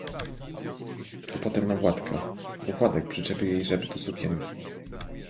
A potem na Władka, bo Władek przyczepił jej rzep do sukienki.